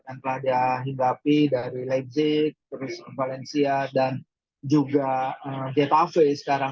dan radya hinggapi dari lezik terus valencia dan juga getafe sekarang